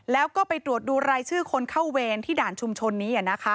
แล้วก็ไปตรวจดูรายชื่อคนเข้าเวรที่ด่านชุมชนนี้